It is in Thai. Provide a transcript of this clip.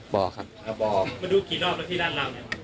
บอกครับบอกมาดูกี่รอบแล้วที่ด้านล่าง